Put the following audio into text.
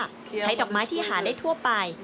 ใช้ดอกไม้ที่หาได้ทั่วไป